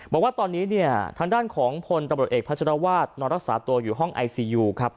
บอกว่าตอนนี้เนี่ยทางด้านของพลตำรวจเอกพัชรวาสนอนรักษาตัวอยู่ห้องไอซียูครับ